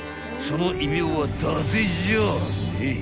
［その異名はだてじゃねえ］